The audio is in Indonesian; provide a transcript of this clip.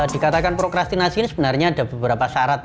dikatakan prokrastinasi ini sebenarnya ada beberapa syarat